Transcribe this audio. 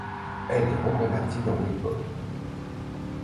Elle est reconvertie dans le hip-hop.